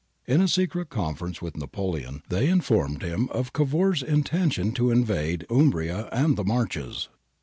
In a secret conference with Napoleon they informed him of Cavour's intentionr to invade Umbria and the Marches.